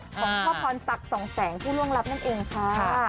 ของพ่อพรศักดิ์สองแสงผู้ล่วงลับนั่นเองค่ะ